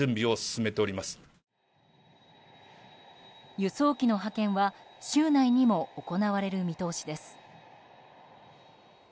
輸送機の派遣は週内にも行われる見通しです。